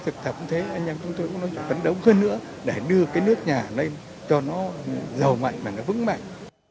thực thật cũng thế anh em chúng tôi vẫn đấu cơn nữa để đưa nước nhà lên cho nó giàu mạnh và vững mạnh